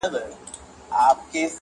تر خلوته به دي درسي د رندانو آوازونه -